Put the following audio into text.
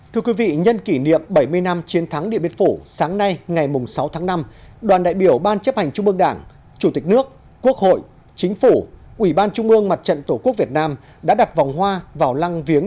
thưa quý vị nhân kỷ niệm bảy mươi năm chiến thắng điện biên phủ sáng nay ngày sáu tháng năm đoàn đại biểu ban chấp hành trung ương đảng chủ tịch nước quốc hội chính phủ ủy ban trung ương mặt trận tổ quốc việt nam đã đặt vòng hoa vào lăng viếng